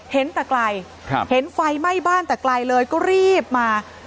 เห็นแต่ไกลเห็นไฟไหม้บ้านแต่ไกลเลยก็รีบมา